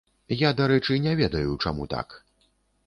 Я, дарэчы, не ведаю, чаму так.